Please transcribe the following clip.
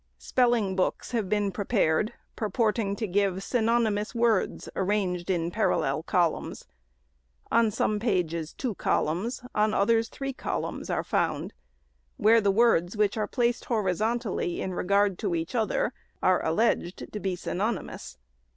Spelling books have been pre pared, purporting to give synonymous words, arranged in parallel columns. On some pages two columns, on others three columns, are found, where the words, which are placed horizontally, in regard to each other, are SECOND ANNUAL REPORT. 549 alleged to be synonymous.